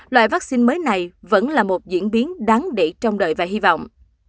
loại vắc xin mới này vẫn là một diễn biến đáng để trông đợi và hy vọng